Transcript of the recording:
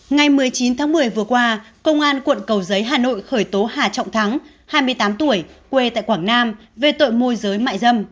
ngày một mươi chín tháng một mươi vừa qua công an quận cầu giấy hà nội khởi tố hà trọng thắng hai mươi tám tuổi quê tại quảng nam về tội môi giới mại dâm